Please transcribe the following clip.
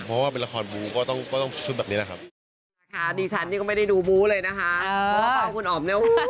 เพราะว่าเป็นละครบู๊ก็ต้องชุดแบบนี้แหละครับ